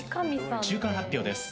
中間発表です。